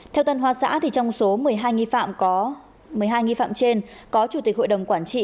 theo tân hoa xã trong số một mươi hai nghi phạm trên có chủ tịch hội đồng quản trị